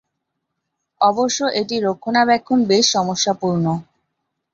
অবশ্য এটির রক্ষণাবেক্ষণ বেশ সমস্যাপূর্ণ।